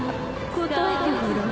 答えてごらん。